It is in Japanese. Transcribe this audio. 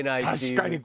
確かに。